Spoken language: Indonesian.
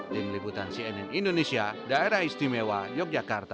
tim liputan cnn indonesia daerah istimewa yogyakarta